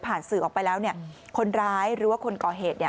ผ่านสื่อออกไปแล้วเนี่ยคนร้ายหรือว่าคนก่อเหตุเนี่ย